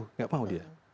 tidak mau dia